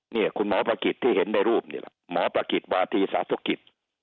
นี่คุณหมอพระกิจที่เห็นในรูปนี่แหละหมอประกิจวาธีสาธุกิจ